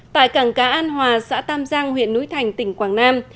tại cảng cá an hòa xã tam giang huyện núi thành tỉnh quảng nam